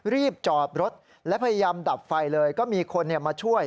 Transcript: รีบจอดรถและพยายามดับไฟเลยก็มีคนมาช่วย